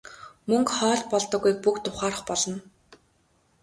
Мөнгө хоол болдоггүйг бүгд ухаарах болно.